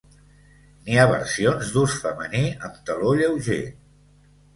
N'hi ha versions d'ús femení amb taló lleuger.